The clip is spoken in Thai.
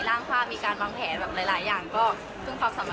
ร่างภาพมีการวางแผนแบบหลายอย่างก็พึ่งความสามารถ